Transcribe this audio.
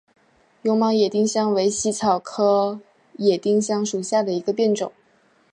绒毛野丁香为茜草科野丁香属下的一个变种。